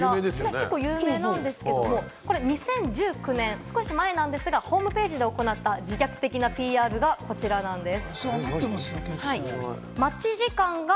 結構有名なんですけど、２０１９年、少し前なんですが、ホームページで行った自虐的なＰＲがこちらなんです。